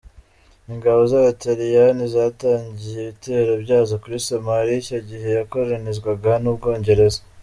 Ingabo z’abataliyani zatangiye ibitero byazo kuri Somalia icyo gihe yakoronizwaga n’ubwongereza.